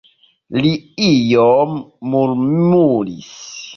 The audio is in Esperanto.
Li iome murmuris.